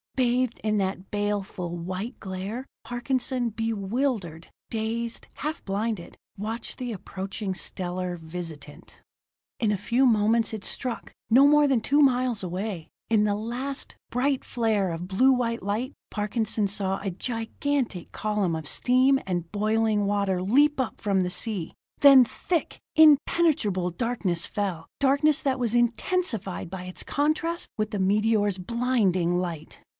Bathed in that baleful, white glare, Parkinson, bewildered, dazed, half blinded, watched the approaching stellar visitant. In a few moments it struck no more than two miles away. In the last, bright flare of blue white light, Parkinson saw a gigantic column of steam and boiling water leap up from the sea. Then thick, impenetrable darkness fell darkness that was intensified by its contrast with the meteor's blinding light.